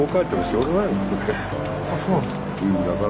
あっそうなんですか？